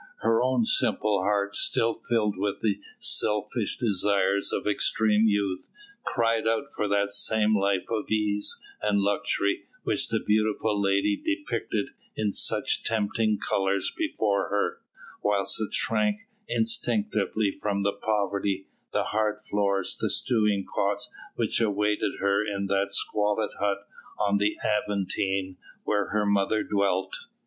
Her own simple heart, still filled with the selfish desires of extreme youth, cried out for that same life of ease and luxury which the beautiful lady depicted in such tempting colours before her, whilst it shrank instinctively from the poverty, the hard floors, the stewing pots which awaited her in that squalid hut on the Aventine where her mother dwelt.